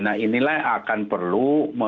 nah inilah yang akan perlu